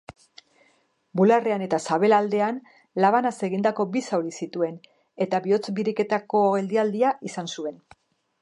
Bularrean eta sabelaldean labanaz egindako bi zauri zituen eta bihotz-biriketako geldialdia izan zuen.